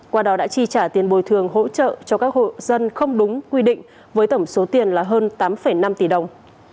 qua đó đã chi trả tiền bồi thường hỗ trợ cho các hộ dân không đúng quy định với tổng số tiền là hơn tám năm tỷ đồng